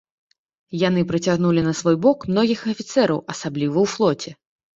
Яны прыцягнулі на свой бок многіх афіцэраў, асабліва ў флоце.